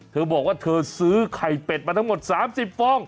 เธอบอกว่าเธอซื้อไข่เป็ดมาทั้งหมด๓๐ฟอง